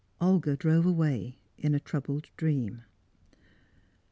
Olga drove away in a troubled dream.